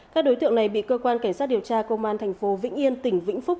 các đối tượng này bị cơ quan cảnh sát điều tra công an thành phố vĩnh yên tỉnh vĩnh phúc